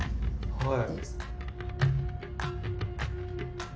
はい。